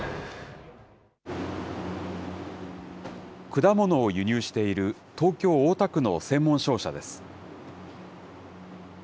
果物を輸入している東京・大田区の専門商社です。